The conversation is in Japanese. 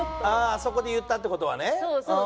あそこで言ったって事はね。